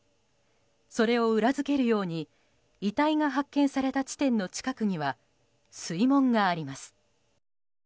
それを裏付けるように遺体が発見された地点の近くには水門があります。